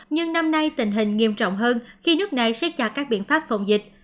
nhưng năm nay tình hình nghiêm trọng hơn khi nước này xét chặt các biện pháp phòng dịch